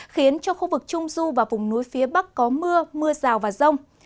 khiến cho khu vực trung du và vùng núi phía bắc có mưa mưa rào và rông